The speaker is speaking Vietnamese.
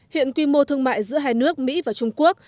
hiện quy mô thương mại giữa hai nước mỹ và trung quốc